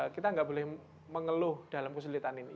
kita nggak boleh mengeluh dalam kesulitan ini